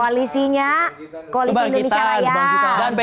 koalisinya koalisi indonesia raya